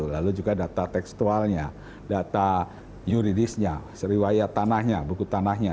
lalu juga data tekstualnya data yuridisnya riwayat tanahnya buku tanahnya